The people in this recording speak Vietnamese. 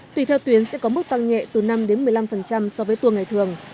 tùy theo tuyến sẽ có mức tăng nhẹ từ năm một mươi năm so với tour ngày thường